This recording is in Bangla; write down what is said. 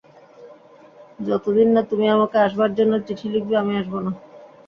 যতদিন না তুমি আমাকে আসবার জন্যে চিঠি লিখবে, আমি আসব না।